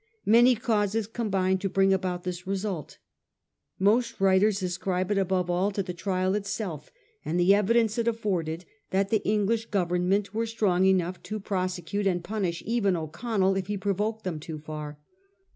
Many causes combined to bring about this result. Most writers ascribe it above all to the trial itself, and the evidence it afforded that the English Government were strong enough to prosecute and punish even O'Connell if he provoked them too far.